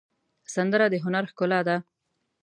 سندره د هنر ښکلا ده